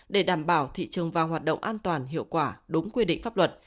để đảm bảo thị trường vàng hoạt động an toàn hiệu quả đúng quy định pháp luật